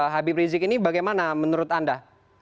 habib rizik ini bagaimana menurut anda